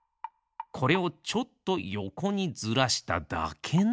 これをちょっとよこにずらしただけなのです。